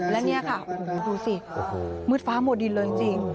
และนี่ค่ะดูสิมืดฟ้าหมดดินเลยจริง